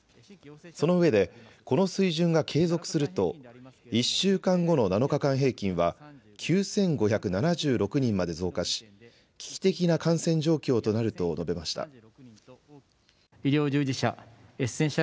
そのうえでこの水準が継続すると１週間後の７日間平均は９５７６人まで増加し、危機的な感染状況となると述べました。